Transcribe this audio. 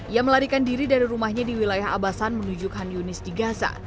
ia melarikan diri dari rumahnya di wilayah abasan menuju kan yunis di gaza